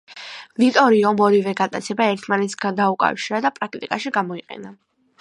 ვიტორიომ ორივე გატაცება ერთმანეთს დაუკავშირა და პრაქტიკაში გამოიყენა.